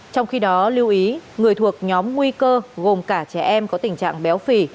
trong khi đó lưu ý người thuộc nhóm nguy cơ gồm cả trẻ em có tình trạng béo phì